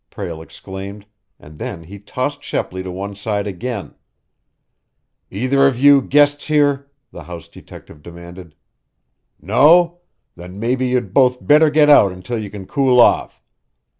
Prale exclaimed, and then he tossed Shepley to one side again. "Either of you guests here?" the house detective demanded. "No? Then maybe you'd both better get out until you can cool off.